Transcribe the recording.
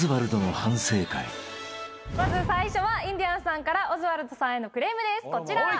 まず最初はインディアンスさんからオズワルドさんへのクレームですこちら。